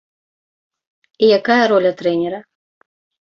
І якая роля трэнера?